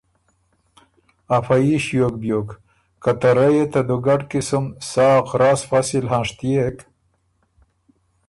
افه يي ݭیوک بیوک که ته رئ يې ته دُوګډ قسُم سا غراص فصل هںشتئېک